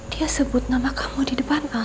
dia sebut nama kamu di depan